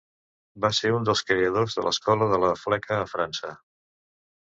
Va ser un dels creadors de l'Escola de la fleca a França.